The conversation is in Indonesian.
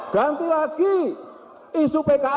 ganti lagi isu pki